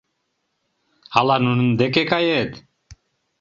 Ала нунын деке кает?